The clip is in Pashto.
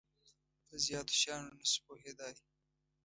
په زیاتو شیانو نه شو پوهیدای.